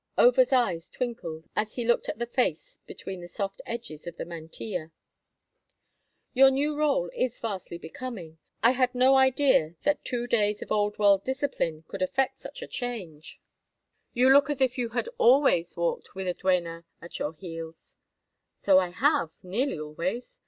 Over's eyes twinkled as he looked at the face between the soft edges of the mantilla. "Your new rôle is vastly becoming. I had no idea that two days of Old World discipline could effect such a change. You look as if you had always walked with a duenna at your heels." "So I have, nearly always.